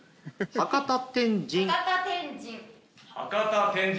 博多天神。